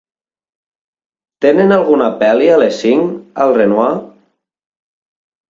Tenen alguna pel·li a les cinc, al Renoir?